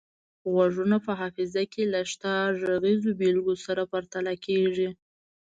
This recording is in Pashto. غږونه په حافظه کې له شته غږیزو بیلګو سره پرتله کیږي